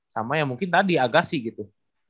sama yang mungkin tadi agasi gitu